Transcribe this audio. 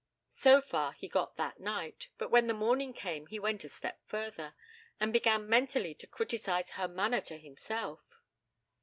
So far he got that night, but when the morning came he went a step further, and began mentally to criticize her manner to himself.